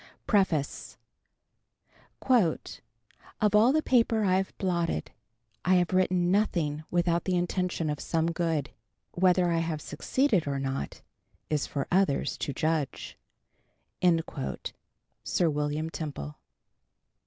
PREFACE "Of all the paper I have blotted, I have written nothing without the intention of some good. Whether I have succeeded or not, is for others to judge." Sir William Temple.